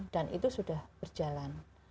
dan itu sudah berjalan